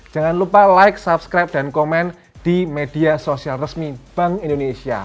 jangan lupa like subscribe dan komen di media sosial resmi bank indonesia